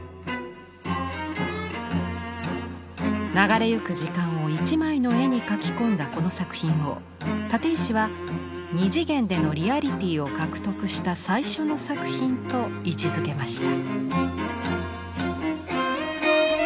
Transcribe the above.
流れゆく時間を１枚の絵に描き込んだこの作品を立石は「二次元でのリアリティーを獲得した最初の作品」と位置づけました。